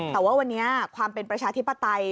แต่ว่าวันนี้ความเป็นประชาธิปไตย